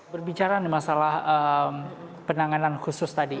berbicara masalah penanganan khusus tadi